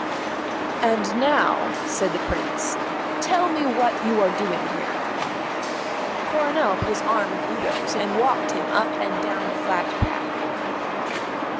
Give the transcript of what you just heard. "And now," said the Prince, "tell me what you are doing here." Coronel put his arm in Udo's and walked him up and down the flagged path.